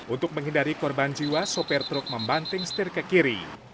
untuk menghindari korban jiwa sopir truk membanting setir ke kiri